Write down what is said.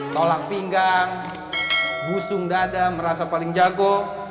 tolak pinggang busung dada merasa paling jago